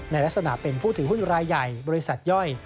ในลักษณะเป็นผู้ถือหุ้นรายใหญ่บริษัทย่อย